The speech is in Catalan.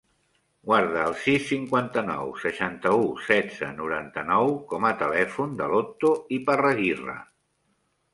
Guarda el sis, cinquanta-nou, seixanta-u, setze, noranta-nou com a telèfon de l'Otto Iparraguirre.